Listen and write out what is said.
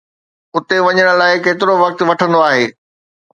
اتي وڃڻ لاء ڪيترو وقت وٺندو آهي؟